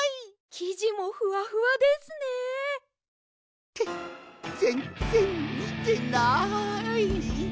きじもふわふわですね！ってぜんぜんみてない！